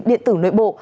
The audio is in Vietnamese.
điện tử nội bộ